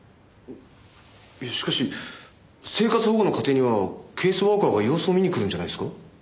いやしかし生活保護の家庭にはケースワーカーが様子を見に来るんじゃないですか？